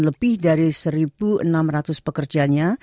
lebih dari satu enam ratus pekerjanya